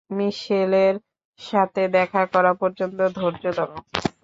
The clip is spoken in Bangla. মিশেলের সাথে দেখা করা পর্যন্ত ধৈর্য ধরো।